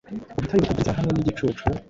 Ubutayu butagira inzira, hamwe nigicucu